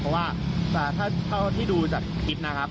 เพราะว่าเท่าที่ดูจากคลิปนะครับ